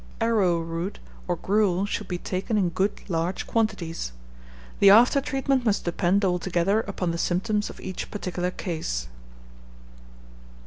Arrowroot or gruel should be taken in good large quantities. The after treatment must depend altogether upon the symptoms of each particular case.